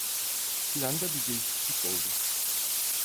Planda bir değişiklik oldu.